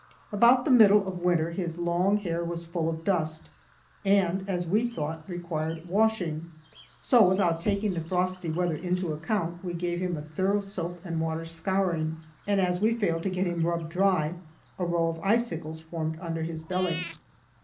About the middle of winter his long hair was full of dust and, as we thought, required washing. So, without taking the frosty weather into account, we gave him a thorough soap and water scouring, and as we failed to get him rubbed dry, a row of icicles formed under his belly.